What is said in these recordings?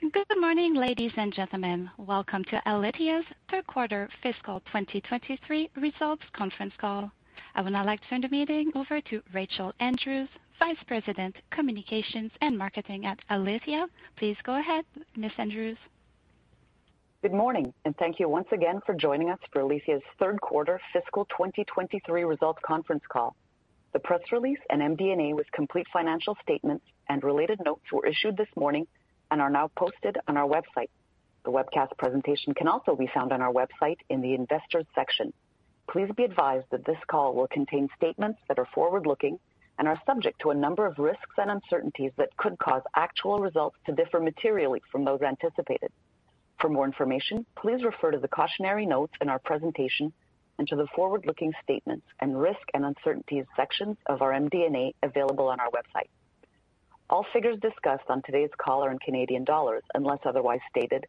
Good morning, ladies and gentlemen. Welcome to Alithya's third quarter fiscal 2023 results conference call. I would now like to turn the meeting over to Rachel Andrews, vice president, communications and marketing at Alithya. Please go ahead, Ms. Andrews. Good morning, and thank you once again for joining us for Alithya's third quarter fiscal 2023 results conference call. The press release and MD&A with complete financial statements and related notes were issued this morning and are now posted on our website. The webcast presentation can also be found on our website in the investors section. Please be advised that this call will contain statements that are forward-looking and are subject to a number of risks and uncertainties that could cause actual results to differ materially from those anticipated. For more information, please refer to the cautionary notes in our presentation and to the forward-looking statements and risk and uncertainties sections of our MD&A available on our website. All figures discussed on today's call are in Canadian dollars, unless otherwise stated,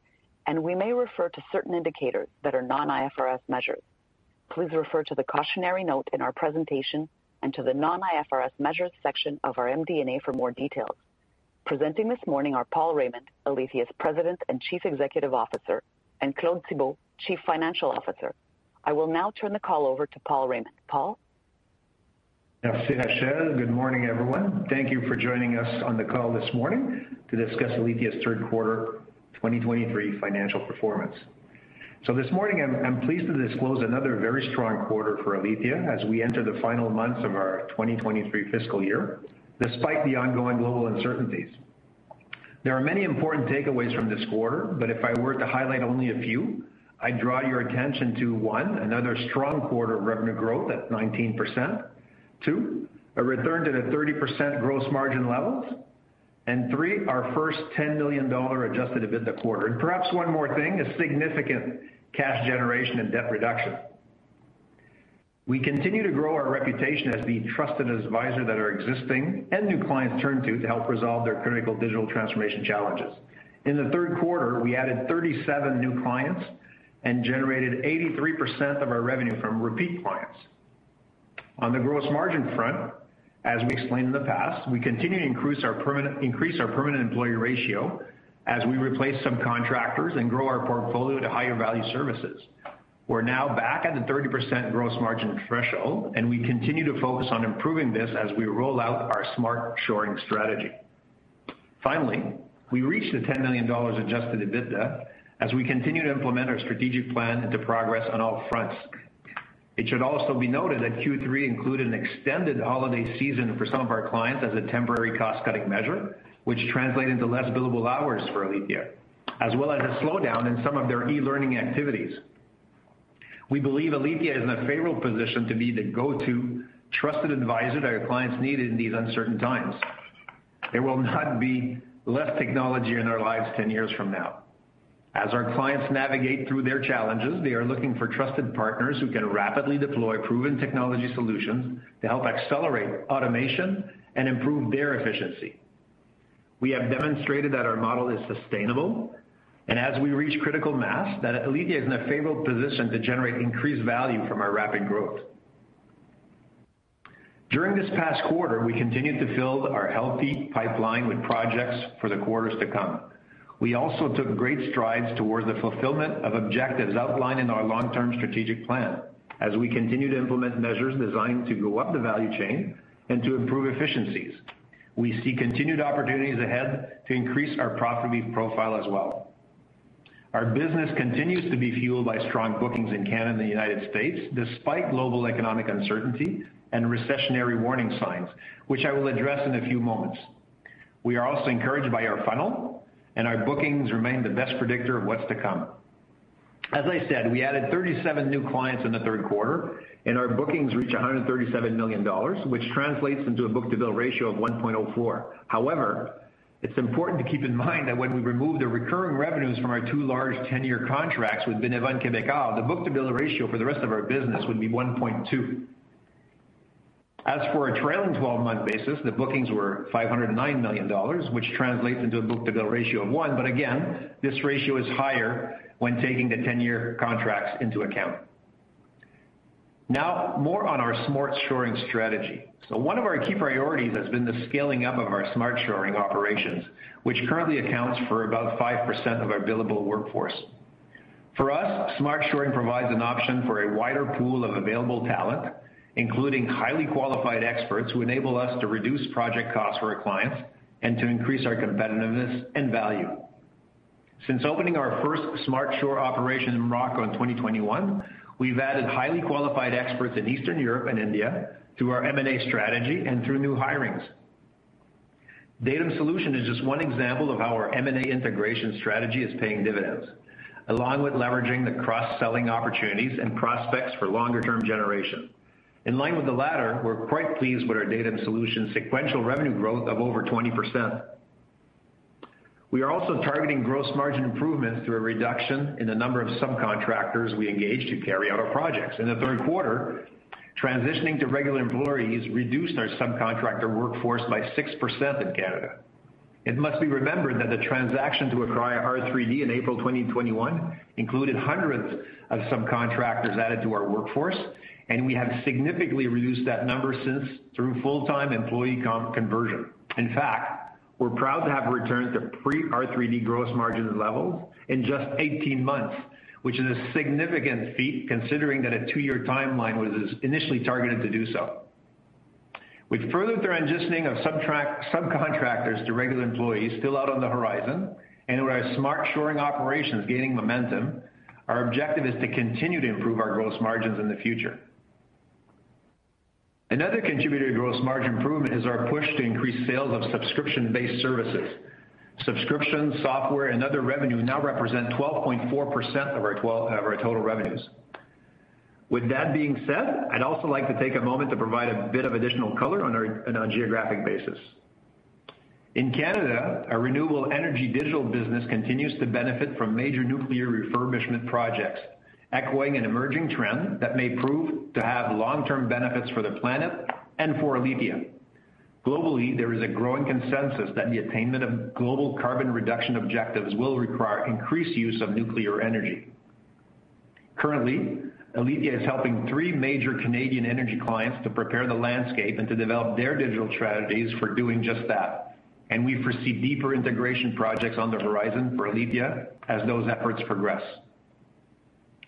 and we may refer to certain indicators that are non-IFRS measures. Please refer to the cautionary note in our presentation and to the non-IFRS measures section of our MD&A for more details. Presenting this morning are Paul Raymond, Alithya's President and Chief Executive Officer, and Claude Thibault, Chief Financial Officer. I will now turn the call over to Paul Raymond. Paul? Merci, Rachel. Good morning, everyone. Thank you for joining us on the call this morning to discuss Alithya's third quarter 2023 financial performance. This morning I'm pleased to disclose another very strong quarter for Alithya as we enter the final months of our 2023 fiscal year, despite the ongoing global uncertainties. There are many important takeaways from this quarter, but if I were to highlight only a few, I'd draw your attention to, one, another strong quarter of revenue growth at 19%, two, a return to the 30% gross margin levels, and three, our first 10 million dollar adjusted EBITDA quarter. Perhaps one more thing, a significant cash generation and debt reduction. We continue to grow our reputation as the trusted advisor that our existing and new clients turn to to help resolve their critical digital transformation challenges. In the third quarter, we added 37 new clients and generated 83% of our revenue from repeat clients. On the gross margin front, as we explained in the past, we continue to increase our permanent employee ratio as we replace subcontractors and grow our portfolio to higher value services. We're now back at the 30% gross margin threshold. We continue to focus on improving this as we roll out our Smart Shoring strategy. Finally, we reached the 10 million dollars adjusted EBITDA as we continue to implement our strategic plan into progress on all fronts. It should also be noted that Q3 included an extended holiday season for some of our clients as a temporary cost-cutting measure, which translated to less billable hours for Alithya, as well as a slowdown in some of their e-learning activities. We believe Alithya is in a favorable position to be the go-to trusted advisor that our clients need in these uncertain times. There will not be less technology in our lives 10 years from now. As our clients navigate through their challenges, they are looking for trusted partners who can rapidly deploy proven technology solutions to help accelerate automation and improve their efficiency. We have demonstrated that our model is sustainable and as we reach critical mass, that Alithya is in a favorable position to generate increased value from our rapid growth. During this past quarter, we continued to fill our healthy pipeline with projects for the quarters to come. We also took great strides towards the fulfillment of objectives outlined in our long-term strategic plan as we continue to implement measures designed to go up the value chain and to improve efficiencies. We see continued opportunities ahead to increase our profitability profile as well. Our business continues to be fueled by strong bookings in Canada and the United States, despite global economic uncertainty and recessionary warning signs, which I will address in a few moments. We are also encouraged by our funnel, our bookings remain the best predictor of what's to come. As I said, we added 37 new clients in the third quarter, and our bookings reach 137 million dollars, which translates into a book-to-bill ratio of 1.04. However, it's important to keep in mind that when we remove the recurring revenues from our two large 10-year contracts with Beneva Québecor, the book-to-bill ratio for the rest of our business would be 1.2. As for a trailing 12-month basis, the bookings were 509 million dollars, which translates into a book-to-bill ratio of one. Again, this ratio is higher when taking the 10-year contracts into account. More on our Smart Shoring strategy. One of our key priorities has been the scaling up of our Smart Shoring operations, which currently accounts for about 5% of our billable workforce. For us, Smart Shoring provides an option for a wider pool of available talent, including highly qualified experts who enable us to reduce project costs for our clients and to increase our competitiveness and value. Since opening our first Smart Shore operation in Morocco in 2021, we've added highly qualified experts in Eastern Europe and India through our M&A strategy and through new hirings. Datum Solutions is just one example of how our M&A integration strategy is paying dividends, along with leveraging the cross-selling opportunities and prospects for longer-term generation. In line with the latter, we're quite pleased with our Datum Solutions sequential revenue growth of over 20%. We are also targeting gross margin improvements through a reduction in the number of subcontractors we engage to carry out our projects. In the third quarter, transitioning to regular employees reduced our subcontractor workforce by 6% in Canada. It must be remembered that the transaction to acquire R3D in April 2021 included hundreds of subcontractors added to our workforce. We have significantly reduced that number since through full-time employee conversion. We're proud to have returned to pre-R3D gross margin levels in just 18 months, which is a significant feat considering that a two-year timeline was initially targeted to do so. With further transitioning of subcontractors to regular employees still out on the horizon, and with our Smart Shoring operations gaining momentum, our objective is to continue to improve our gross margins in the future. Another contributor to gross margin improvement is our push to increase sales of subscription-based services. Subscription, software, and other revenue now represent 12.4% of our total revenues. With that being said, I'd also like to take a moment to provide a bit of additional color on our, on a geographic basis. In Canada, our renewable energy digital business continues to benefit from major nuclear refurbishment projects, echoing an emerging trend that may prove to have long-term benefits for the planet and for Alithya. Globally, there is a growing consensus that the attainment of global carbon reduction objectives will require increased use of nuclear energy. Currently, Alithya is helping three major Canadian energy clients to prepare the landscape and to develop their digital strategies for doing just that. We foresee deeper integration projects on the horizon for Alithya as those efforts progress.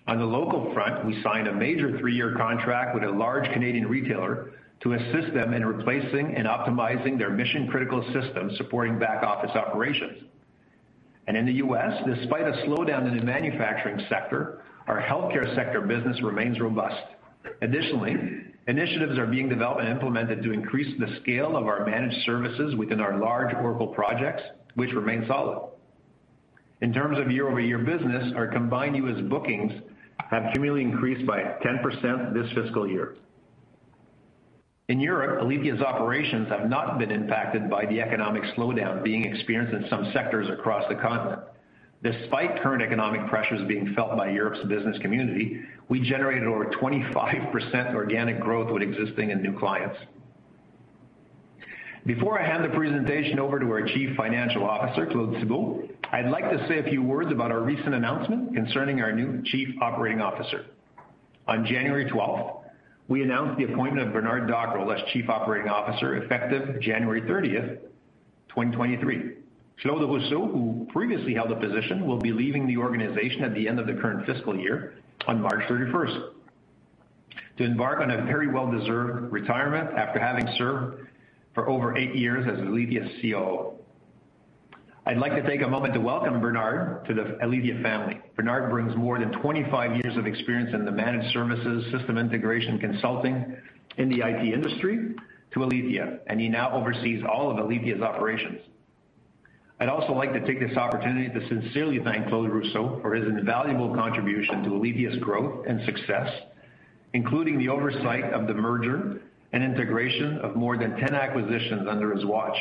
On the local front, we signed a major three-year contract with a large Canadian retailer to assist them in replacing and optimizing their mission-critical systems supporting back-office operations. In the U.S., despite a slowdown in the manufacturing sector, our healthcare sector business remains robust. Additionally, initiatives are being developed and implemented to increase the scale of our managed services within our large Oracle projects, which remain solid. In terms of year-over-year business, our combined U.S. bookings have cumulatively increased by 10% this fiscal year. In Europe, Alithya's operations have not been impacted by the economic slowdown being experienced in some sectors across the continent. Despite current economic pressures being felt by Europe's business community, we generated over 25% organic growth with existing and new clients. Before I hand the presentation over to our Chief Financial Officer, Claude Thibault, I'd like to say a few words about our recent announcement concerning our new Chief Operating Officer. On January 12th, we announced the appointment of Bernard Dockrill as Chief Operating Officer, effective January 30th, 2023. Claude Rousseau, who previously held the position, will be leaving the organization at the end of the current fiscal year on March 31st to embark on a very well-deserved retirement after having served for over eight years as Alithya's COO. I'd like to take a moment to welcome Bernard to the Alithya family. Bernard brings more than 25 years of experience in the managed services system integration consulting in the IT industry to Alithya. He now oversees all of Alithya's operations. I'd also like to take this opportunity to sincerely thank Claude Rousseau for his invaluable contribution to Alithya's growth and success, including the oversight of the merger and integration of more than 10 acquisitions under his watch.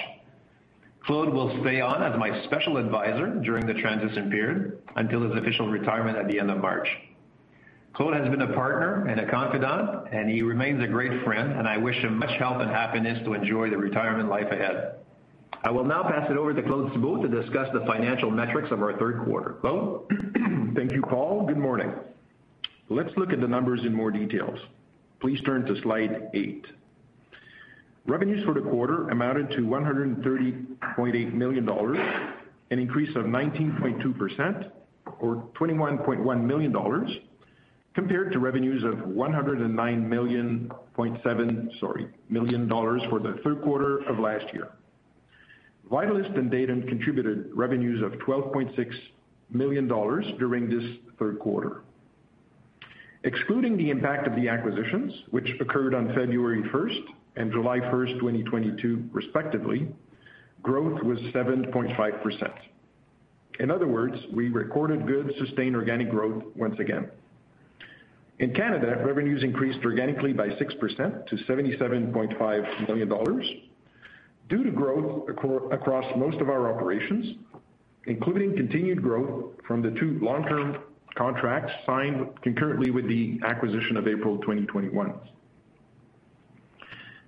Claude will stay on as my special advisor during the transition period until his official retirement at the end of March. Claude has been a partner and a confidant. He remains a great friend. I wish him much health and happiness to enjoy the retirement life ahead. I will now pass it over to Claude Thibault to discuss the financial metrics of our third quarter. Claude? Thank you, Paul. Good morning. Let's look at the numbers in more details. Please turn to slide eight. Revenues for the quarter amounted to 130.8 million dollars, an increase of 19.2% or 21.1 million dollars compared to revenues of 109.7 million, sorry, million dollars for the third quarter of last year. Vitalyst and Datum contributed revenues of 12.6 million dollars during this third quarter. Excluding the impact of the acquisitions, which occurred on February first and July first, 2022, respectively, growth was 7.5%. In other words, we recorded good sustained organic growth once again. In Canada, revenues increased organically by 6% to 77.5 million dollars due to growth across most of our operations, including continued growth from the two long-term contracts signed concurrently with the acquisition of April 2021.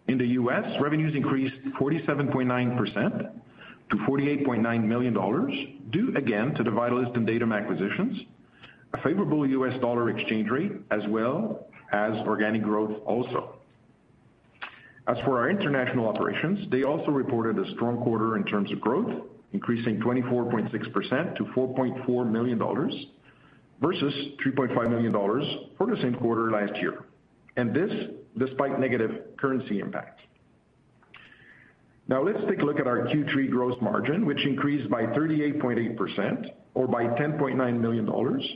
In the U.S., revenues increased 47.9% to $48.9 million due again to the Vitalyst and Datum acquisitions, a favorable US dollar exchange rate, as well as organic growth also. For our international operations, they also reported a strong quarter in terms of growth, increasing 24.6% to 4.4 million dollars, versus 3.5 million dollars for the same quarter last year. This, despite negative currency impact. Let's take a look at our Q3 gross margin, which increased by 38.8% or by 10.9 million dollars,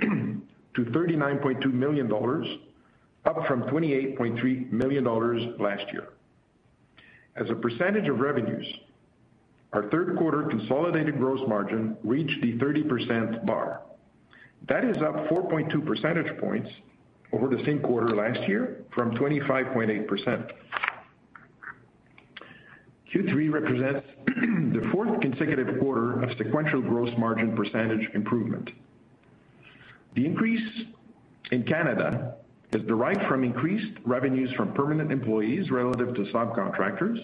to 39.2 million dollars, up from 28.3 million dollars last year. As a percentage of revenues, our third quarter consolidated gross margin reached the 30% bar. That is up 4.2 percentage points over the same quarter last year from 25.8%. Q3 represents the fourth consecutive quarter of sequential gross margin percentage improvement. The increase in Canada is derived from increased revenues from permanent employees relative to subcontractors,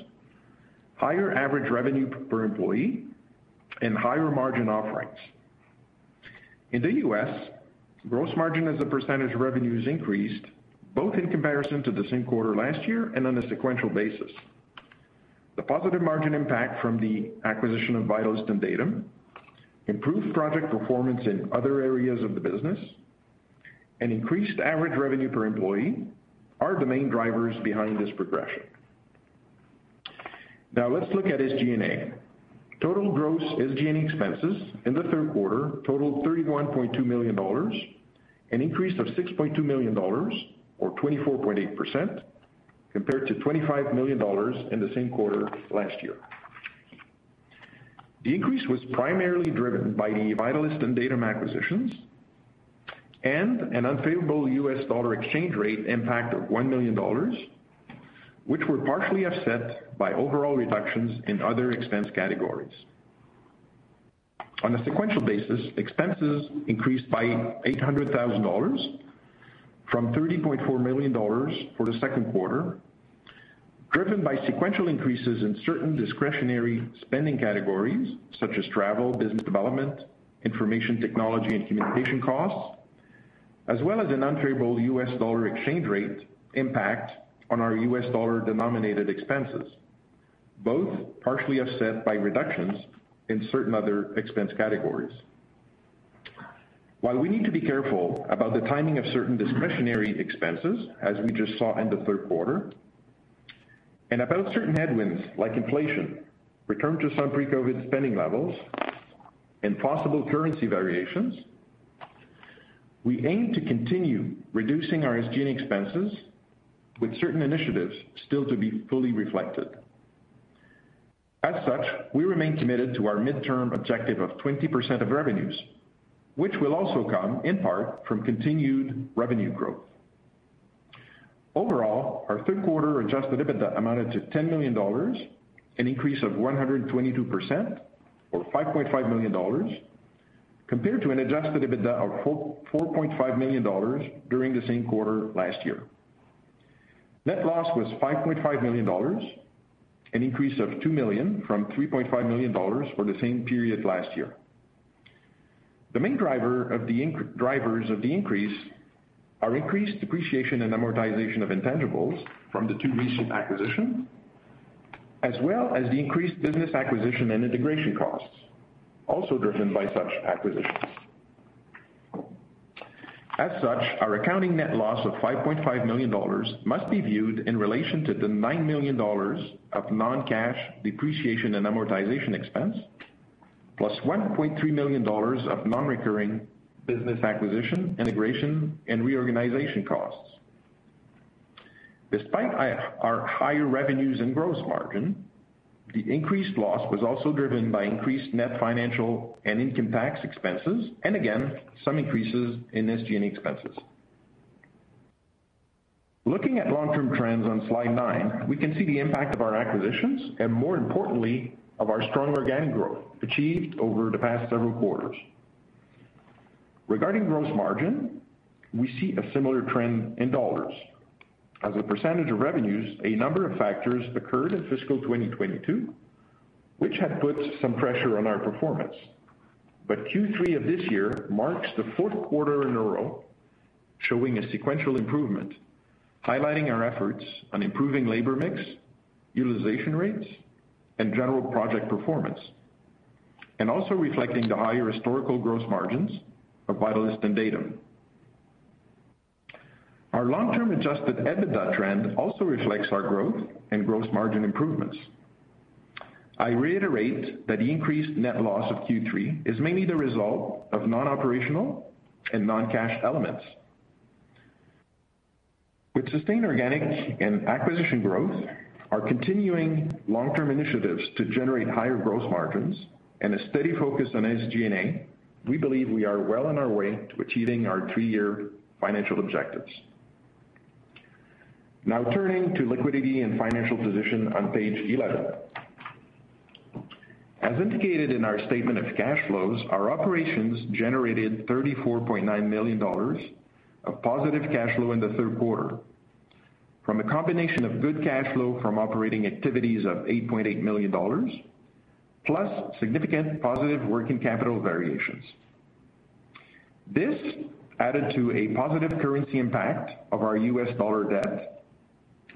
higher average revenue per employee, and higher margin offerings. In the U.S., gross margin as a percentage of revenue has increased both in comparison to the same quarter last year and on a sequential basis. The positive margin impact from the acquisition of Vitalyst and Datum, improved project performance in other areas of the business, and increased average revenue per employee are the main drivers behind this progression. Now let's look at SG&A. Total gross SG&A expenses in the third quarter totaled $31.2 million, an increase of $6.2 million or 24.8% compared to $25 million in the same quarter last year. The increase was primarily driven by the Vitalyst and Datum acquisitions and an unfavorable US dollar exchange rate impact of $1 million, which were partially offset by overall reductions in other expense categories. On a sequential basis, expenses increased by 800,000 dollars from 34 million dollars for the second quarter, driven by sequential increases in certain discretionary spending categories such as travel, business development, information technology and communication costs, as well as an unfavorable US dollar exchange rate impact on our US dollar-denominated expenses, both partially offset by reductions in certain other expense categories. While we need to be careful about the timing of certain discretionary expenses, as we just saw in the third quarter, and about certain headwinds like inflation, return to some pre-COVID spending levels, and possible currency variations, we aim to continue reducing our SG&A expenses with certain initiatives still to be fully reflected. We remain committed to our midterm objective of 20% of revenues, which will also come in part from continued revenue growth. Our third quarter adjusted EBITDA amounted to 10 million dollars, an increase of 122% or 5.5 million dollars compared to an adjusted EBITDA of 4.5 million dollars during the same quarter last year. Net loss was 5.5 million dollars, an increase of 2 million from 3.5 million dollars for the same period last year. The main drivers of the increase are increased depreciation and amortization of intangibles from the two recent acquisitions, as well as the increased business acquisition and integration costs, also driven by such acquisitions. Our accounting net loss of 5.5 million dollars must be viewed in relation to the 9 million dollars of non-cash depreciation and amortization expense, plus 1.3 million dollars of non-recurring business acquisition, integration, and reorganization costs. Despite our higher revenues and gross margin, the increased loss was also driven by increased net financial and income tax expenses, and again, some increases in SG&A expenses. Looking at long-term trends on slide nine, we can see the impact of our acquisitions and more importantly, of our strong organic growth achieved over the past several quarters. Regarding gross margin, we see a similar trend in dollars. As a percentage of revenues, a number of factors occurred in fiscal 2022, which had put some pressure on our performance. Q3 of this year marks the fourth quarter in a row showing a sequential improvement, highlighting our efforts on improving labor mix, utilization rates, and general project performance, and also reflecting the higher historical gross margins of Vitalyst and Datum. Our long-term adjusted EBITDA trend also reflects our growth and gross margin improvements. I reiterate that the increased net loss of Q3 is mainly the result of non-operational and non-cash elements. With sustained organic and acquisition growth, our continuing long-term initiatives to generate higher gross margins and a steady focus on SG&A, we believe we are well on our way to achieving our three-year financial objectives. Now turning to liquidity and financial position on page 11. As indicated in our statement of cash flows, our operations generated 34.9 million dollars of positive cash flow in the third quarter from a combination of good cash flow from operating activities of 8.8 million dollars plus significant positive working capital variations. This added to a positive currency impact of our US dollar debt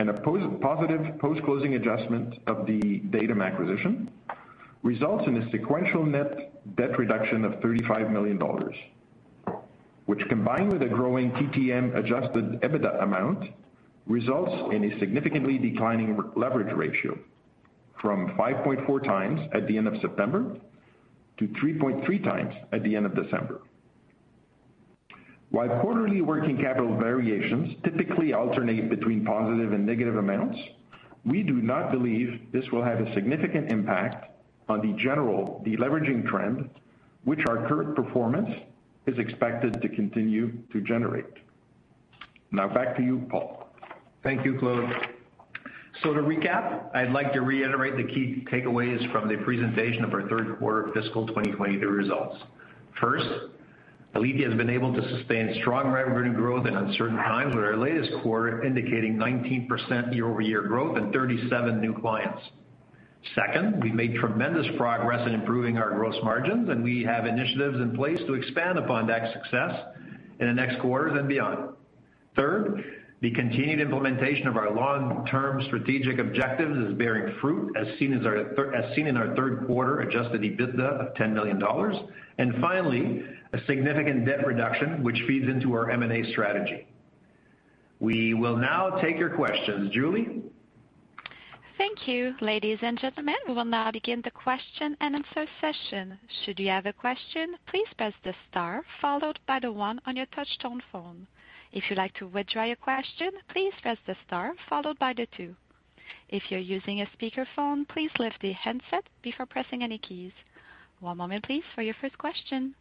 and a positive post-closing adjustment of the Datum acquisition, results in a sequential net debt reduction of $35 million, which combined with a growing TTM adjusted EBITDA amount, results in a significantly declining leverage ratio from 5.4x at the end of September to 3.3x at the end of December. While quarterly working capital variations typically alternate between positive and negative amounts, we do not believe this will have a significant impact on the general deleveraging trend which our current performance is expected to continue to generate. Now back to you, Paul. Thank you, Claude. To recap, I'd like to reiterate the key takeaways from the presentation of our third quarter fiscal 2022 results. First, Alithya has been able to sustain strong revenue growth in uncertain times, with our latest quarter indicating 19% year-over-year growth and 37 new clients. Second, we've made tremendous progress in improving our gross margins, and we have initiatives in place to expand upon that success in the next quarters and beyond. Third, the continued implementation of our long-term strategic objectives is bearing fruit as seen in our third quarter adjusted EBITDA of 10 million dollars. Finally, a significant debt reduction, which feeds into our M&A strategy. We will now take your questions. Julie? Thank you. Ladies and gentlemen, we will now begin the question and answer session. Should you have a question, please press the star followed by the one on your touchtone phone. If you'd like to withdraw your question, please press the star followed by the two. If you're using a speakerphone, please lift the handset before pressing any keys. One moment please for your first question.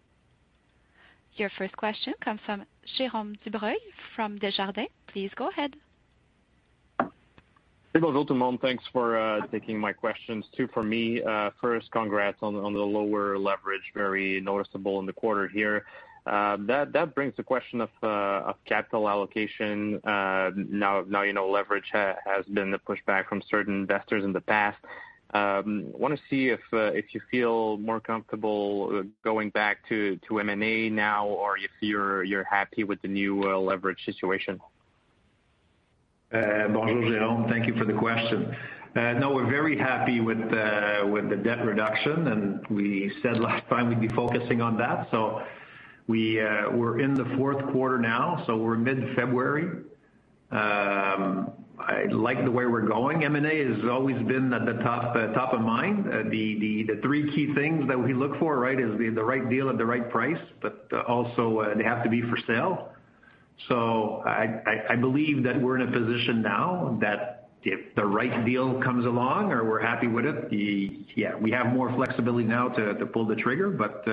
Your first question comes from Jerome Dubreuil from Desjardins. Please go ahead. Thanks for taking my questions. Two for me. First, congrats on the lower leverage, very noticeable in the quarter here. That brings the question of capital allocation. Now, you know, leverage has been the pushback from certain investors in the past. Wanna see if you feel more comfortable going back to M&A now or if you're happy with the new leverage situation. Thank you for the question. No, we're very happy with the debt reduction, and we said last time we'd be focusing on that. We're in the fourth quarter now, so we're mid-February. I like the way we're going. M&A has always been at the top of mind. The three key things that we look for, right, is the right deal at the right price, but also, they have to be for sale. I believe that we're in a position now that if the right deal comes along or we're happy with it, Yeah, we have more flexibility now to pull the trigger, but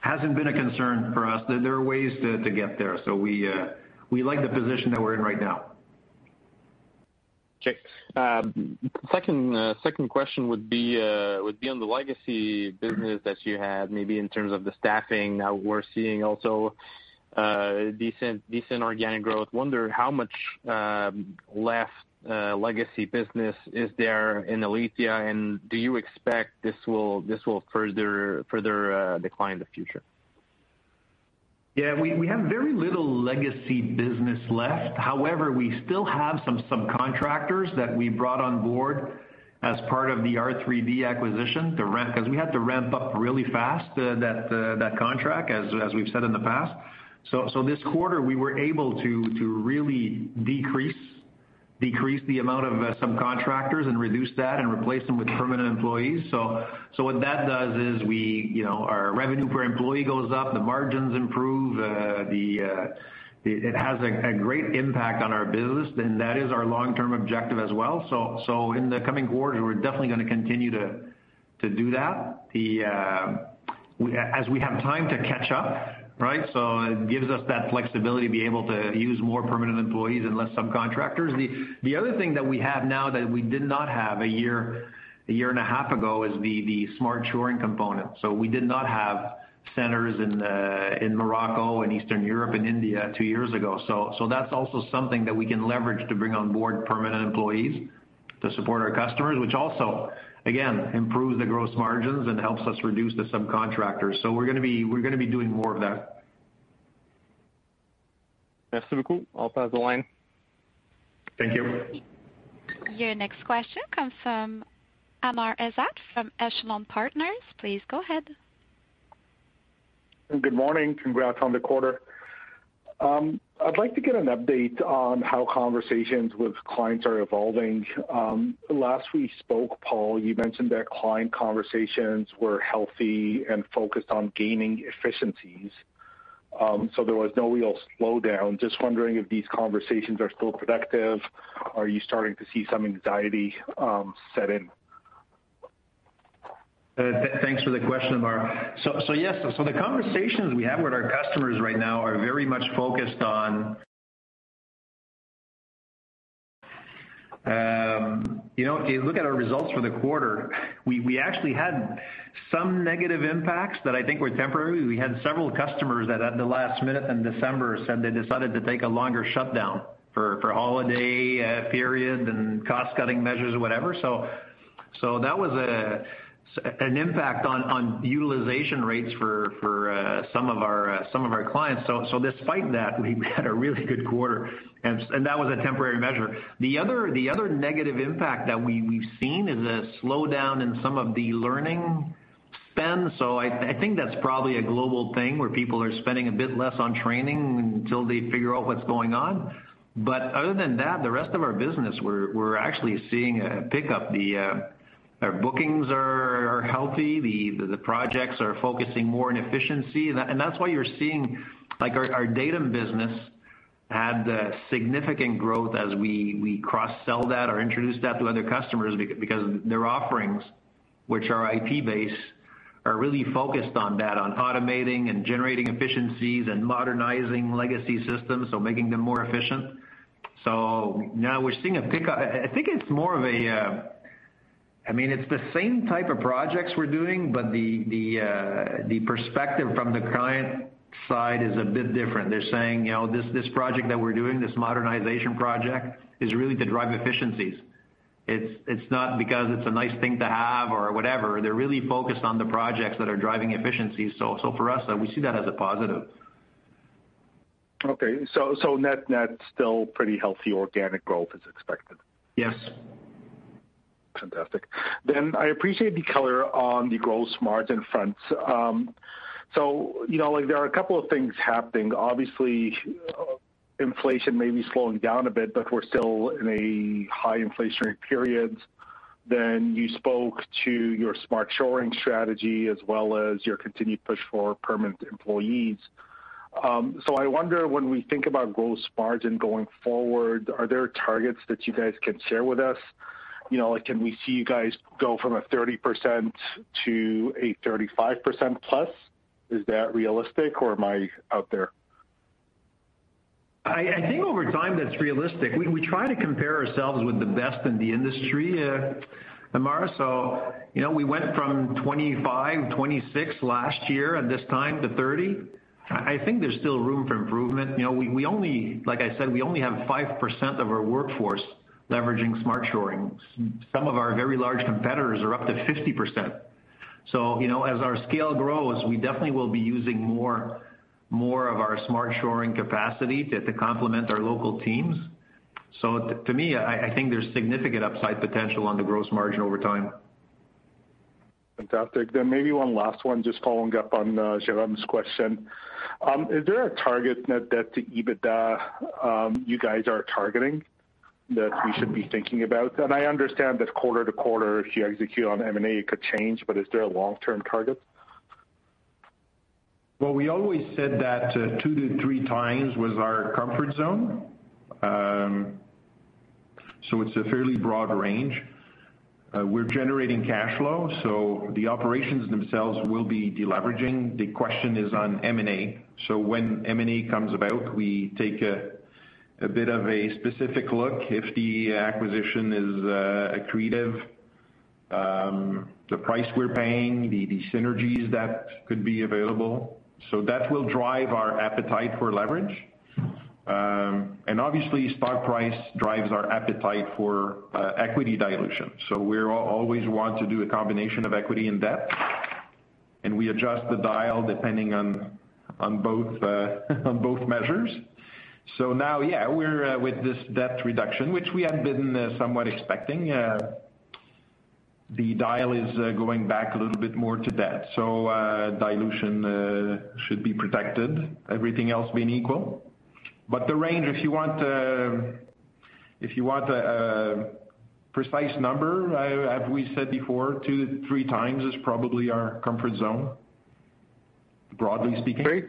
hasn't been a concern for us. There are ways to get there. We like the position that we're in right now. Check. Second question would be on the legacy business that you had maybe in terms of the staffing. Now we're seeing also decent organic growth. Wonder how much less legacy business is there in Alithya, and do you expect this will further decline in the future? Yeah. We have very little legacy business left. However, we still have some subcontractors that we brought on board as part of the R3D acquisition. 'Cause we had to ramp up really fast that contract as we've said in the past. This quarter, we were able to really decrease the amount of subcontractors and reduce that and replace them with permanent employees. What that does is we, you know, our revenue per employee goes up, the margins improve, it has a great impact on our business, and that is our long-term objective as well. In the coming quarters, we're definitely gonna continue to do that, as we have time to catch up, right? It gives us that flexibility to be able to use more permanent employees and less subcontractors. The other thing that we have now that we did not have a year and a half ago is the Smart Shoring component. We did not have centers in Morocco and Eastern Europe and India two years ago. That's also something that we can leverage to bring on board permanent employees to support our customers, which also, again, improves the gross margins and helps us reduce the subcontractors. We're gonna be doing more of that. I'll pass the line. Thank you. Your next question comes from Amr Ezzat from Echelon Partners. Please go ahead. Good morning. Congrats on the quarter. I'd like to get an update on how conversations with clients are evolving. Last we spoke, Paul, you mentioned that client conversations were healthy and focused on gaining efficiencies. There was no real slowdown. Just wondering if these conversations are still productive? Are you starting to see some anxiety, set in? Thanks for the question, Amar. Yes. The conversations we have with our customers right now are very much focused on... You know, if you look at our results for the quarter, we actually had some negative impacts that I think were temporary. We had several customers that at the last minute in December said they decided to take a longer shutdown for holiday period and cost-cutting measures or whatever. That was an impact on utilization rates for some of our clients. Despite that, we had a really good quarter. That was a temporary measure. The other negative impact that we've seen is a slowdown in some of the learning spend. I think that's probably a global thing where people are spending a bit less on training until they figure out what's going on. Other than that, the rest of our business we're actually seeing a pickup. The our bookings are healthy. The projects are focusing more on efficiency. That's why you're seeing, like our Datum business had significant growth as we cross-sell that or introduced that to other customers because their offerings, which are IT-based, are really focused on that, on automating and generating efficiencies and modernizing legacy systems, so making them more efficient. Now we're seeing a pickup. I think it's more of a, I mean, it's the same type of projects we're doing, but the perspective from the client side is a bit different. They're saying, you know, this project that we're doing, this modernization project is really to drive efficiencies. It's not because it's a nice thing to have or whatever. They're really focused on the projects that are driving efficiencies. For us, we see that as a positive. Okay. Net, net still pretty healthy organic growth is expected. Yes. Fantastic. I appreciate the color on the gross margin fronts. You know, like there are a couple of things happening. Obviously, inflation may be slowing down a bit, but we're still in a high inflationary period. You spoke to your Smart Shoring strategy as well as your continued push for permanent employees. I wonder when we think about gross margin going forward, are there targets that you guys can share with us? You know, like, can we see you guys go from a 30% to a 35%+? Is that realistic or am I out there? I think over time that's realistic. We try to compare ourselves with the best in the industry, Amar. You know, we went from 25%, 26% last year at this time to 30%. I think there's still room for improvement. You know, we only... Like I said, we only have 5% of our workforce leveraging Smart Shoring. Some of our very large competitors are up to 50%. You know, as our scale grows, we definitely will be using more of our Smart Shoring capacity to complement our local teams. To me, I think there's significant upside potential on the gross margin over time. Fantastic. Maybe one last one just following up on Jerome's question. Is there a target net debt to EBITDA you guys are targeting that we should be thinking about? I understand that quarter to quarter, if you execute on M&A, it could change, but is there a long-term target? Well, we always said that 2-3 times was our comfort zone. It's a fairly broad range. We're generating cash flow, so the operations themselves will be deleveraging. The question is on M&A. When M&A comes about, we take a bit of a specific look if the acquisition is accretive, the price we're paying, the synergies that could be available. That will drive our appetite for leverage. Obviously, stock price drives our appetite for equity dilution. We're always want to do a combination of equity and debt, and we adjust the dial depending on both on both measures. Now, yeah, we're with this debt reduction, which we had been somewhat expecting. The dial is going back a little bit more to debt. Dilution, should be protected, everything else being equal. The range, if you want, if you want a precise number, as we said before, two to three times is probably our comfort zone, broadly speaking.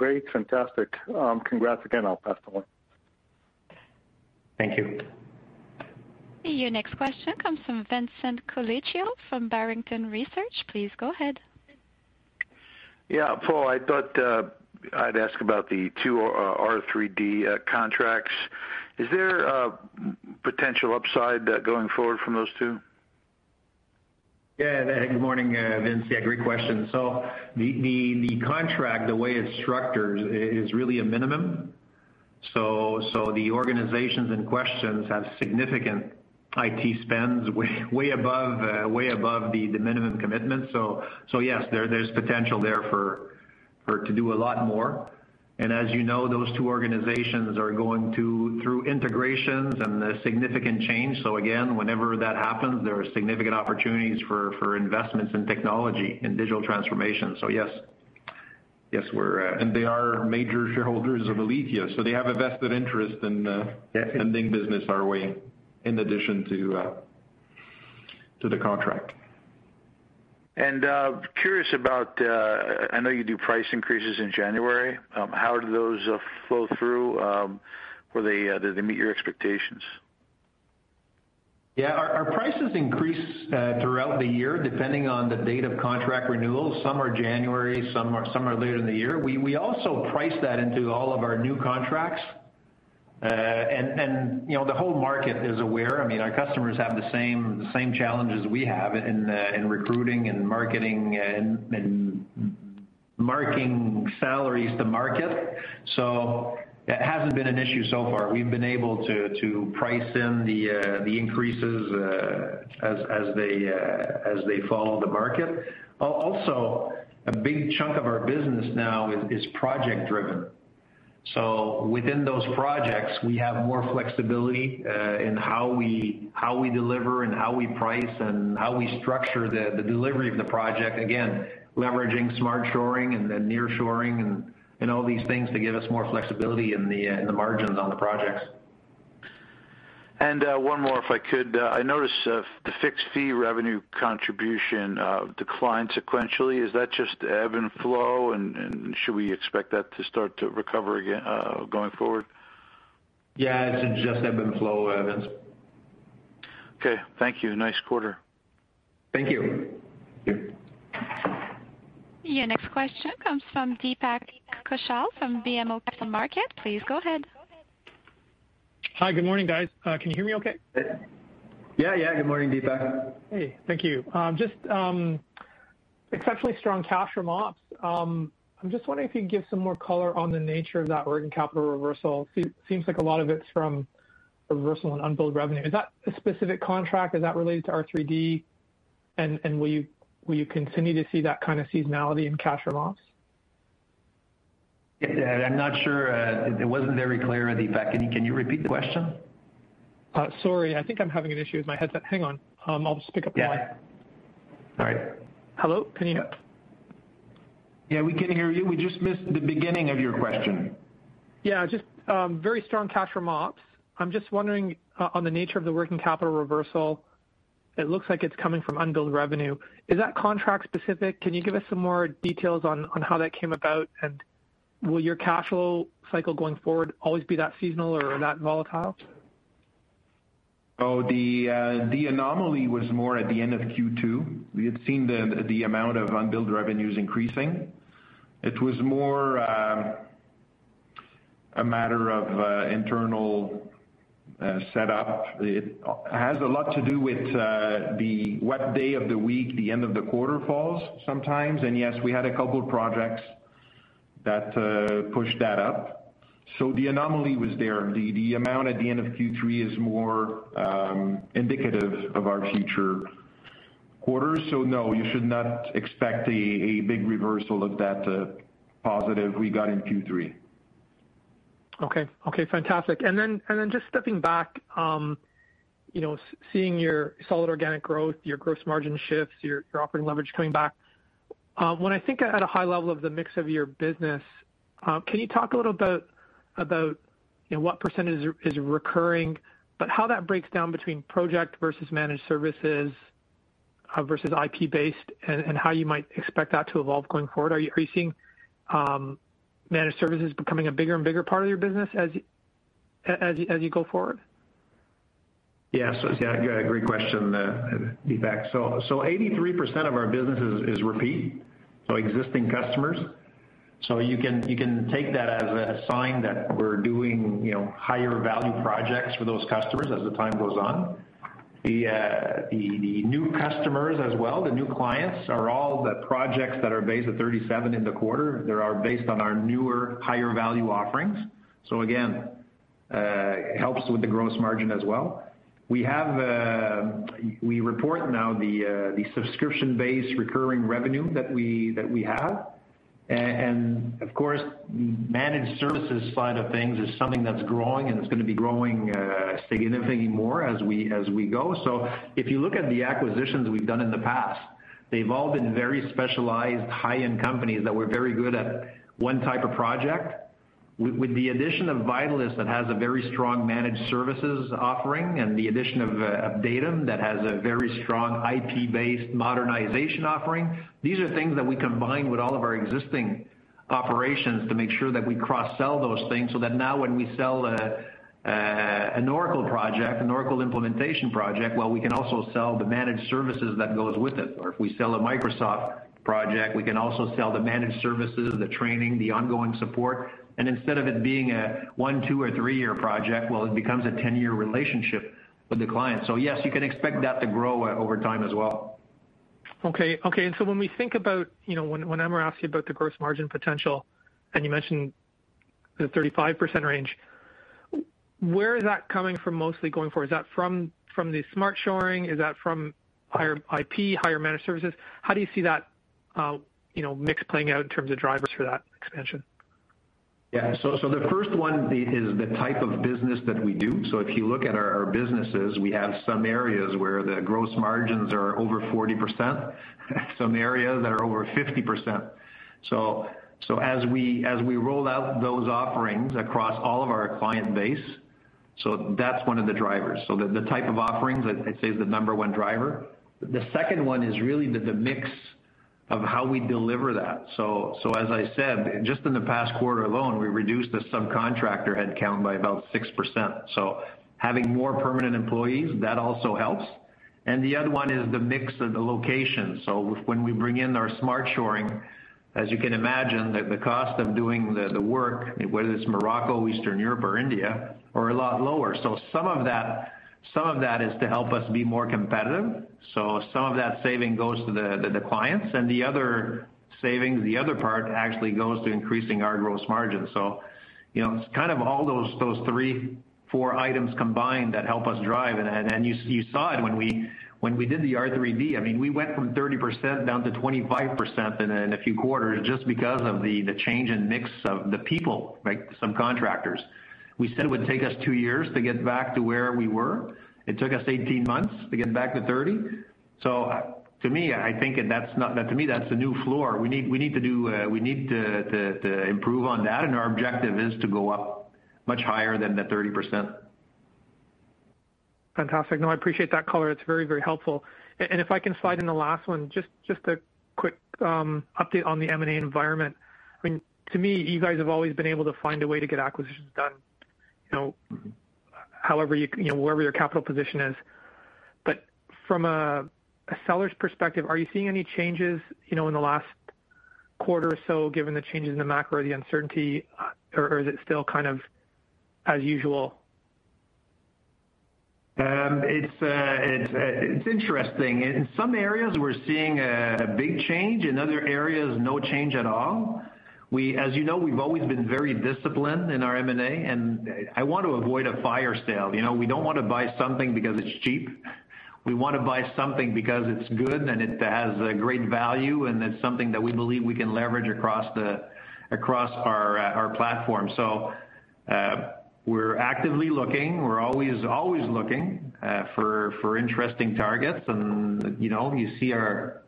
Great. Fantastic. Congrats again. I'll pass the line. Thank you. Your next question comes from Vincent Colicchio from Barrington Research. Please go ahead. Yeah. Paul, I thought, I'd ask about the two R3D contracts. Is there a potential upside going forward from those two? Good morning, Vince. Yeah, great question. The contract, the way it's structured is really a minimum. The organizations in questions have significant IT spends way above, way above the minimum commitment. Yes, there's potential there for to do a lot more. As you know, those two organizations are going to through integrations and a significant change. Again, whenever that happens, there are significant opportunities for investments in technology and digital transformation. Yes, we're. They are major shareholders of Alithya, so they have a vested interest in. Yes. Sending business our way in addition to to the contract. Curious about, I know you do price increases in January. How do those flow through? Or do they meet your expectations? Yeah. Our prices increase throughout the year depending on the date of contract renewal. Some are January, some are later in the year. We also price that into all of our new contracts. You know, the whole market is aware. I mean, our customers have the same challenges we have in recruiting and marketing and marking salaries to market. It hasn't been an issue so far. We've been able to price in the increases as they follow the market. Also, a big chunk of our business now is project-driven. Within those projects, we have more flexibility in how we deliver and how we price and how we structure the delivery of the project, again, leveraging Smart Shoring and then nearshoring and all these things to give us more flexibility in the margins on the projects. One more, if I could. I noticed, the fixed fee revenue contribution, declined sequentially. Is that just ebb and flow, and should we expect that to start to recover again, going forward? Yeah, it's just ebb and flow, Vince. Okay. Thank you. Nice quarter. Thank you. Your next question comes from Deepak Kaushal from BMO Capital Markets. Please go ahead. Hi. Good morning, guys. Can you hear me okay? Yeah, yeah. Good morning, Deepak. Hey, thank you. Exceptionally strong cash from ops. I'm just wondering if you can give some more color on the nature of that working capital reversal. It seems like a lot of it's from reversal and unbilled revenue. Is that a specific contract? Is that related to R3D? Will you continue to see that kind of seasonality in cash from ops? Yeah, I'm not sure. It wasn't very clear, Deepak. Can you repeat the question? sorry. I think I'm having an issue with my headset. Hang on. I'll just pick up the line. Yeah. All right. Hello? Yeah, we can hear you. We just missed the beginning of your question. Yeah. Just very strong cash from ops. I'm just wondering on the nature of the working capital reversal, it looks like it's coming from unbilled revenue. Is that contract specific? Can you give us some more details on how that came about? Will your cash flow cycle going forward always be that seasonal or that volatile? Oh, the anomaly was more at the end of Q2. We had seen the amount of unbilled revenues increasing. It was more a matter of internal setup. It has a lot to do with the what day of the week the end of the quarter falls sometimes. Yes, we had a couple projects that pushed that up. The anomaly was there. The amount at the end of Q3 is more indicative of our future quarters. No, you should not expect a big reversal of that positive we got in Q3. Okay. Okay, fantastic. Just stepping back, you know, seeing your solid organic growth, your gross margin shifts, your operating leverage coming back. When I think at a high level of the mix of your business, can you talk a little about, you know, what % is recurring, but how that breaks down between project versus managed services, versus IP-based, and how you might expect that to evolve going forward? Are you seeing managed services becoming a bigger and bigger part of your business as you go forward? Yes. Yeah, great question, Deepak. 83% of our business is repeat, so existing customers. You can take that as a sign that we're doing, you know, higher value projects for those customers as the time goes on. The new customers as well, the new clients are all the projects that are base of 37 in the quarter. They are based on our newer higher value offerings. Again, helps with the gross margin as well. We have we report now the subscription-based recurring revenue that we have. Of course, managed services side of things is something that's growing, and it's gonna be growing significantly more as we go. If you look at the acquisitions we've done in the past, they've all been very specialized high-end companies that were very good at one type of project. With the addition of Vitalyst that has a very strong managed services offering and the addition of Datum that has a very strong IP-based modernization offering, these are things that we combine with all of our existing operations to make sure that we cross-sell those things so that now when we sell an Oracle project, an Oracle implementation project, well, we can also sell the managed services that goes with it. Or if we sell a Microsoft project, we can also sell the managed services, the training, the ongoing support. Instead of it being a one, two, or three-year project, well, it becomes a 10-year relationship with the client. Yes, you can expect that to grow over time as well. Okay. Okay. When we think about, you know, when Amar asked you about the gross margin potential, and you mentioned the 35% range, where is that coming from mostly going forward? Is that from the Smart Shoring? Is that from higher IP, higher managed services? How do you see that, you know, mix playing out in terms of drivers for that expansion? Yeah. The first one is the type of business that we do. If you look at our businesses, we have some areas where the gross margins are over 40%, some areas that are over 50%. As we roll out those offerings across all of our client base, that's one of the drivers. The type of offerings, I'd say, is the number one driver. The second one is really the mix of how we deliver that. As I said, just in the past quarter alone, we reduced the subcontractor headcount by about 6%. Having more permanent employees, that also helps. The other one is the mix of the locations. When we bring in our Smart Shoring, as you can imagine, the cost of doing the work, whether it's Morocco, Eastern Europe, or India, are a lot lower. Some of that is to help us be more competitive, so some of that saving goes to the clients, and the other savings, the other part actually goes to increasing our gross margin. You know, it's kind of all those three, four items combined that help us drive. You saw it when we did the R3D. I mean, we went from 30% down to 25% in a few quarters just because of the change in mix of the people, like subcontractors. We said it would take us two years to get back to where we were. It took us 18 months to get back to 30. To me, I think that's the new floor. We need to do, we need to improve on that. Our objective is to go up much higher than the 30%. Fantastic. No, I appreciate that color. It's very, very helpful. If I can slide in the last one, just a quick update on the M&A environment. I mean, to me, you guys have always been able to find a way to get acquisitions done, you know, however you know, wherever your capital position is. From a seller's perspective, are you seeing any changes, you know, in the last quarter or so given the changes in the macro, the uncertainty, or is it still kind of as usual? It's interesting. In some areas, we're seeing a big change. In other areas, no change at all. As you know, we've always been very disciplined in our M&A, and I want to avoid a fire sale. You know, we don't want to buy something because it's cheap. We want to buy something because it's good, and it has a great value, and it's something that we believe we can leverage across our platform. We're actively looking. We're always looking for interesting targets. You know, you see our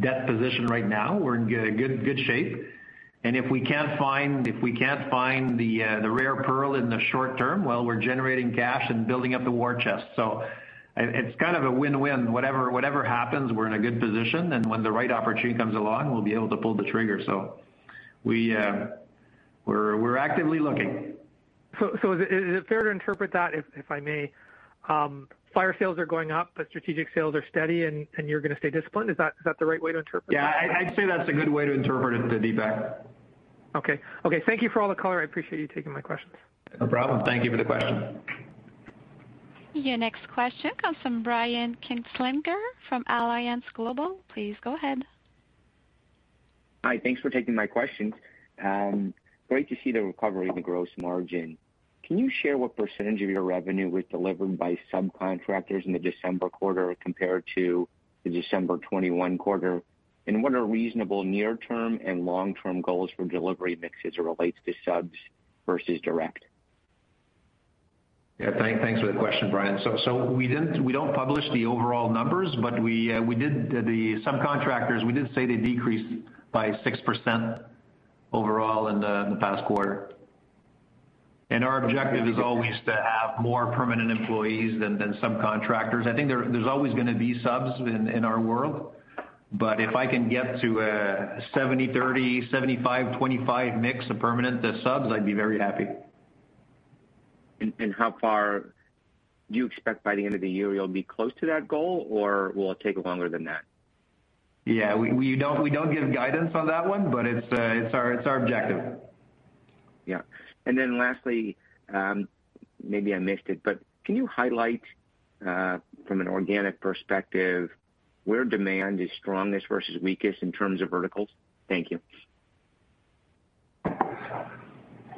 debt position right now. We're in good shape. If we can't find the rare pearl in the short term, well, we're generating cash and building up the war chest. It's kind of a win-win. Whatever happens, we're in a good position. When the right opportunity comes along, we'll be able to pull the trigger. We're actively looking. Is it fair to interpret that, if I may, fire sales are going up, but strategic sales are steady, and you're gonna stay disciplined? Is that the right way to interpret that? Yeah. I'd say that's a good way to interpret it, Deepak. Okay, thank you for all the color. I appreciate you taking my questions. No problem. Thank you for the question. Your next question comes from Brian Kinstlinger from Alliance Global Partners. Please go ahead. Hi. Thanks for taking my questions. great to see the recovery in the gross margin. Can you share what percentage of your revenue was delivered by subcontractors in the December quarter compared to the December 2021 quarter? What are reasonable near-term and long-term goals for delivery mixes as it relates to subs versus direct? Yeah. Thanks for the question, Brian. We don't publish the overall numbers, but we did the subcontractors. We did say they decreased by 6% overall in the past quarter. Our objective is always to have more permanent employees than subcontractors. I think there's always gonna be subs in our world. If I can get to a 70/30, 75/25 mix of permanent to subs, I'd be very happy. How far do you expect by the end of the year you'll be close to that goal, or will it take longer than that? Yeah, we don't give guidance on that one, but it's our objective. Yeah. Lastly, maybe I missed it, but can you highlight, from an organic perspective where demand is strongest versus weakest in terms of verticals? Thank you.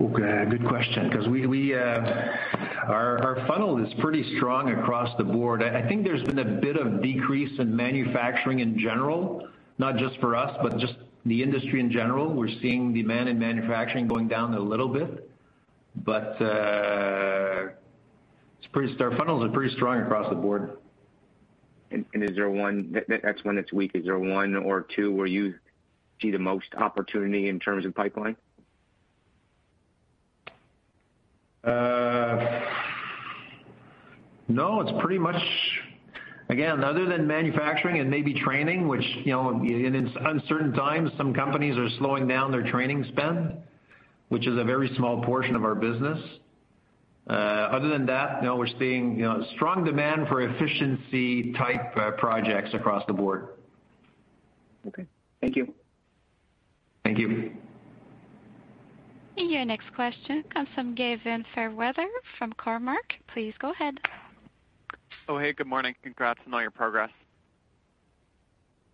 Okay. Good question 'cause we our funnel is pretty strong across the board. I think there's been a bit of decrease in manufacturing in general, not just for us, but just the industry in general. We're seeing demand in manufacturing going down a little bit. Our funnels are pretty strong across the board. That's when it's weak, is there one or two where you see the most opportunity in terms of pipeline? No, it's pretty much. Again, other than manufacturing and maybe training, which, you know, in uncertain times, some companies are slowing down their training spend, which is a very small portion of our business. Other than that, no, we're seeing, you know, strong demand for efficiency type projects across the board. Okay. Thank you. Thank you. Your next question comes from Gavin Fairweather from Cormark. Please go ahead. Oh, hey, good morning. Congrats on all your progress.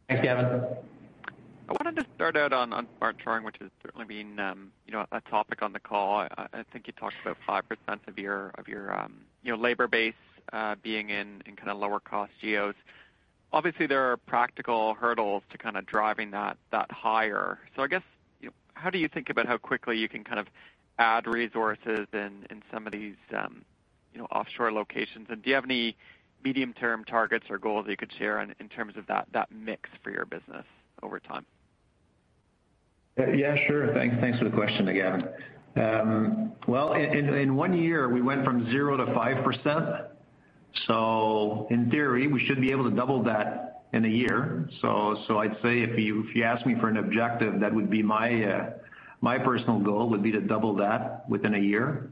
Thanks, Gavin. I wanted to start out on Smart Shoring, which has certainly been, you know, a topic on the call. I think you talked about 5% of your, you know, labor base being in kinda lower cost geos. Obviously, there are practical hurdles to kinda driving that higher. I guess, you know, how do you think about how quickly you can kind of add resources in some of these, you know, offshore locations? Do you have any medium-term targets or goals that you could share in terms of that mix for your business over time? Yeah, sure. Thanks, thanks for the question, Gavin. Well, in one year, we went from 0 to 5%, in theory, we should be able to double that in a year. I'd say if you ask me for an objective, that would be my personal goal would be to double that within a year.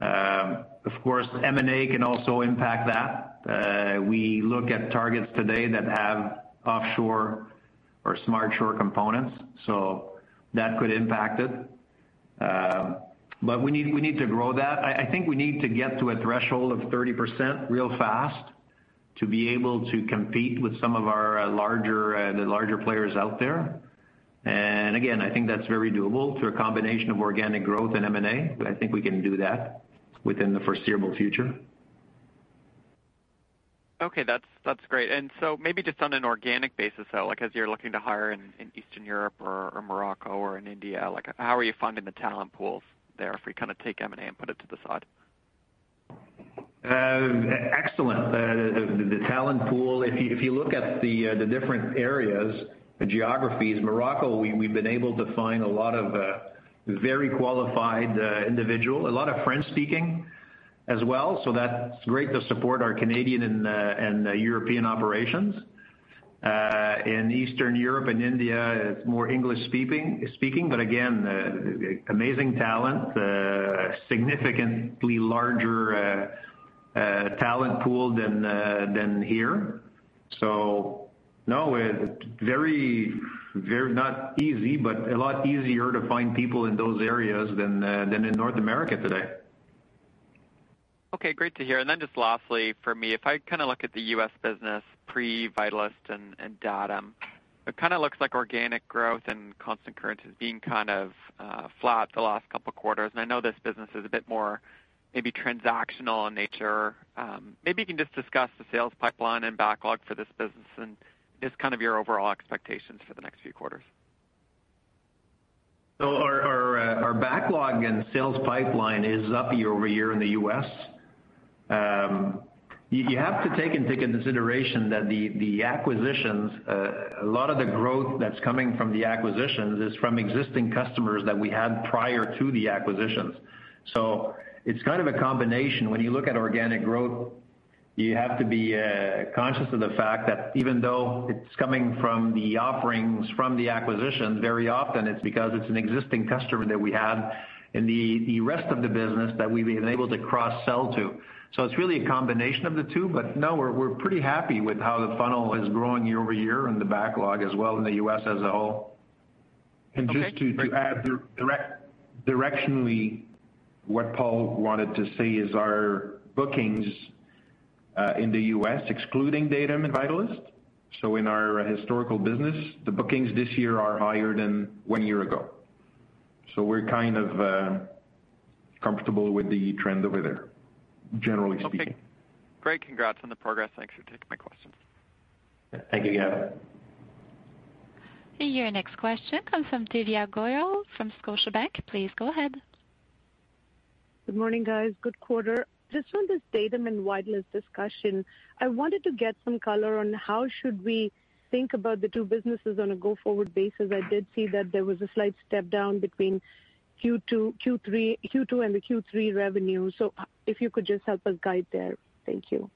Of course, M&A can also impact that. We look at targets today that have offshore or Smart Shore components, that could impact it. We need to grow that. I think we need to get to a threshold of 30% real fast to be able to compete with some of our larger, the larger players out there. Again, I think that's very doable through a combination of organic growth and M&A, but I think we can do that within the foreseeable future. Okay. That's great. Maybe just on an organic basis, though, like, as you're looking to hire in Eastern Europe or Morocco or in India, like how are you finding the talent pools there if we kinda take M&A and put it to the side? Excellent. The talent pool, if you look at the different areas, the geographies, Morocco, we've been able to find a lot of very qualified individual, a lot of French speaking as well, so that's great to support our Canadian and European operations. In Eastern Europe and India, it's more English speaking, but again, amazing talent, significantly larger talent pool than here. No, it very, very, not easy, but a lot easier to find people in those areas than in North America today. Okay, great to hear. Just lastly for me, if I kind of look at the U.S. business pre-Vitalyst and Datum, it kind of looks like organic growth and constant currency is being kind of flat the last couple quarters. I know this business is a bit more maybe transactional in nature. Maybe you can just discuss the sales pipeline and backlog for this business and just kind of your overall expectations for the next few quarters. Our backlog and sales pipeline is up year over year in the U.S. You have to take into consideration that the acquisitions, a lot of the growth that's coming from the acquisitions is from existing customers that we had prior to the acquisitions. It's kind of a combination. When you look at organic growth, you have to be conscious of the fact that even though it's coming from the offerings from the acquisitions, very often it's because it's an existing customer that we had in the rest of the business that we've been able to cross-sell to. It's really a combination of the two. No, we're pretty happy with how the funnel is growing year over year and the backlog as well in the US.. As a whole. Okay. Just to add directionally, what Paul wanted to say is our bookings in the U.S., excluding Datum and Vitalyst, so in our historical business, the bookings this year are higher than 1 year ago. We're kind of comfortable with the trend over there, generally speaking. Okay. Great. Congrats on the progress. Thanks for taking my questions. Thank you, Gavin. Your next question comes from Divya Goyal from Scotiabank. Please go ahead. Good morning, guys. Good quarter. Just on this Datum and Vitalyst discussion, I wanted to get some color on how should we think about the two businesses on a go-forward basis. I did see that there was a slight step down between Q2 and the Q3 revenue. If you could just help us guide there. Thank you.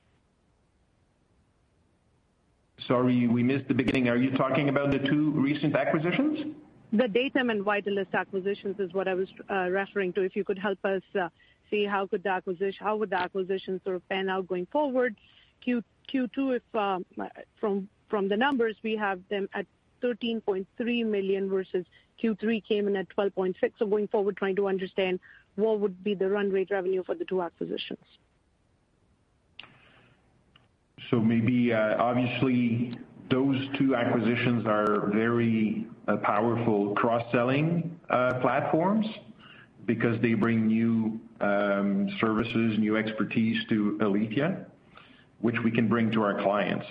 Sorry, we missed the beginning. Are you talking about the two recent acquisitions? The Datum and Vitalyst acquisitions is what I was referring to. If you could help us see how would the acquisitions sort of pan out going forward. Q2, if from the numbers, we have them at 13.3 million versus Q3 came in at 12.6 million. Going forward, trying to understand what would be the run rate revenue for the two acquisitions. Maybe, obviously, those two acquisitions are very powerful cross-selling platforms because they bring new services, new expertise to Alithya, which we can bring to our clients.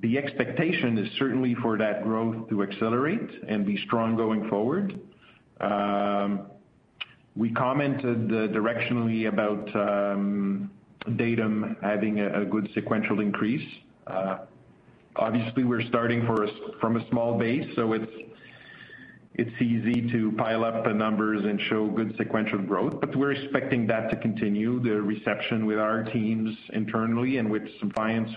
The expectation is certainly for that growth to accelerate and be strong going forward. We commented directionally about Datum having a good sequential increase. Obviously we're starting from a small base, so it's easy to pile up the numbers and show good sequential growth, but we're expecting that to continue. The reception with our teams internally and with some clients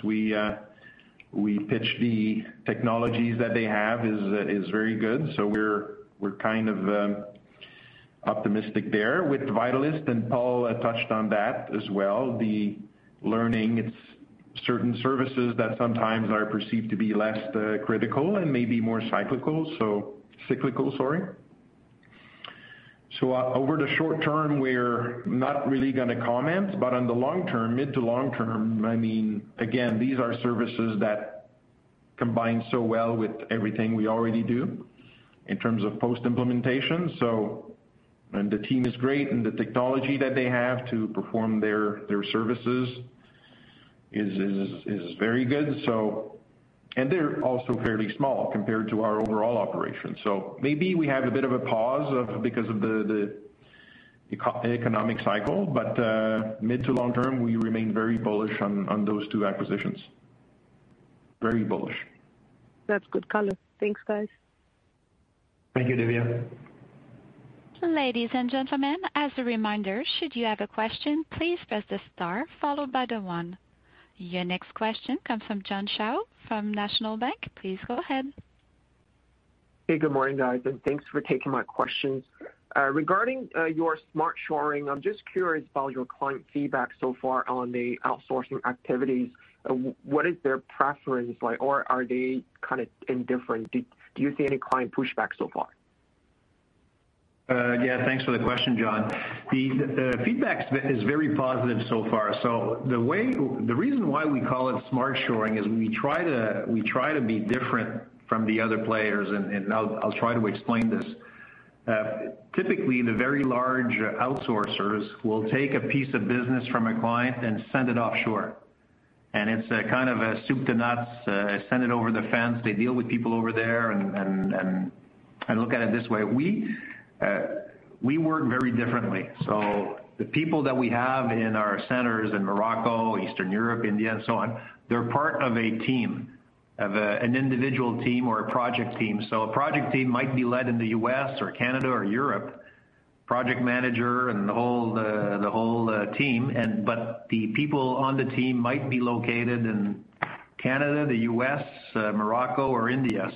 we pitch the technologies that they have is very good. We're kind of optimistic there. With Vitalyst, and Paul touched on that as well, the learning, it's certain services that sometimes are perceived to be less critical and maybe more cyclical, sorry. Over the short term, we're not really gonna comment, but on the long term, mid to long term, I mean, again, these are services that combine so well with everything we already do in terms of post-implementation. The team is great, and the technology that they have to perform their services is very good, so. They're also fairly small compared to our overall operations. Maybe we have a bit of a pause of, because of the economic cycle, but mid to long term, we remain very bullish on those two acquisitions. Very bullish. That's good color. Thanks, guys. Thank you, Divya. Ladies and gentlemen, as a reminder, should you have a question, please press the star followed by the one. Your next question comes from John Xiao from National Bank. Please go ahead. Hey, good morning, guys. Thanks for taking my questions. Regarding your Smart Shoring, I'm just curious about your client feedback so far on the outsourcing activities. What is their preference like, or are they kinda indifferent? Do you see any client pushback so far? Yeah. Thanks for the question, John. The feedback's been, is very positive so far. The reason why we call it Smart Shoring is we try to be different from the other players, and I'll try to explain this. Typically, the very large outsourcers will take a piece of business from a client and send it offshore. It's a kind of a soup to nuts, send it over the fence. They deal with people over there and... I look at it this way. We work very differently. The people that we have in our centers in Morocco, Eastern Europe, India, and so on, they're part of a team, of an individual team or a project team. A project team might be led in the U.S. or Canada or Europe, project manager and the whole team and, but the people on the team might be located in Canada, the U.S., Morocco or India.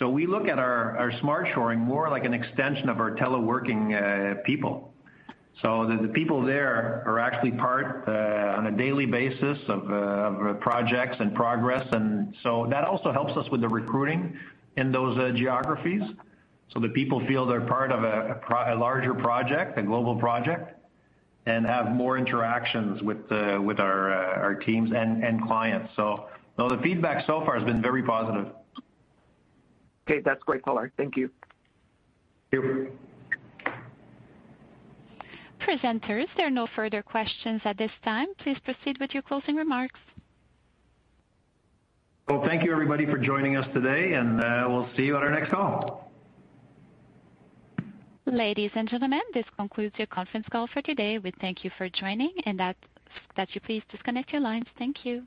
We look at our Smart Shoring more like an extension of our teleworking people. The people there are actually part on a daily basis of projects and progress and that also helps us with the recruiting in those geographies. The people feel they're part of a larger project, a global project, and have more interactions with our teams and clients. No, the feedback so far has been very positive. Okay. That's great color. Thank you. Thank you. Presenters, there are no further questions at this time. Please proceed with your closing remarks. Well, thank you, everybody, for joining us today, and we'll see you on our next call. Ladies and gentlemen, this concludes your conference call for today. We thank you for joining and that you please disconnect your lines. Thank you.